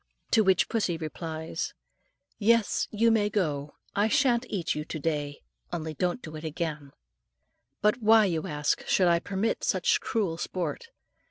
To which pussy replies, "Yes; you may go. I shan't eat you to day; only don't do it again." But why, you ask, should I permit such cruel sport?